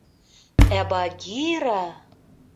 — Ә Багира...